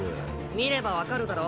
見れば分かるだろ。